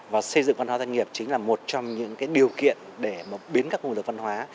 và xây dựng văn hóa doanh nghiệp chính là một trong những điều kiện để biến các nguồn lực văn hóa